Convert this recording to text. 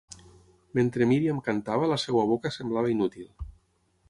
Mentre Miriam cantava, la seva boca semblava inútil.